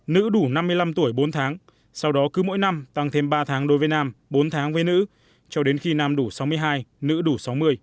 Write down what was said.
nữ đủ năm mươi năm tuổi bốn tháng sau đó cứ mỗi năm tăng thêm ba tháng đối với nam bốn tháng với nữ cho đến khi nam đủ sáu mươi hai nữ đủ sáu mươi